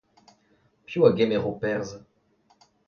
Piv a gemero perzh ?